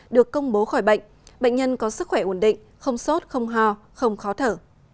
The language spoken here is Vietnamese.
được công bố khỏi bệnh bệnh nhân có sức khỏe ổn định không sốt không hò không khó thở